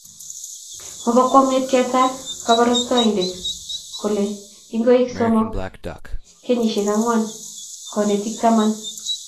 Mobo kwonget kesat koborostoindet kolen ingoik somok, kenyisiek angwan, konetik taman